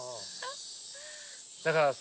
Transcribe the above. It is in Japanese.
だからさ